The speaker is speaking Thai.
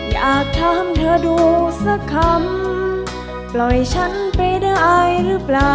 อยากถามเธอดูสักคำปล่อยฉันไปได้หรือเปล่า